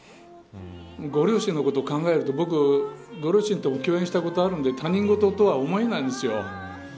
ご両親のことを考えると僕、ご両親とも共演したことあるんで他人事とも思えないんですよ。